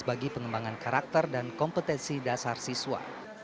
bagi pengembangan karakter dan kompetensi dasar siswa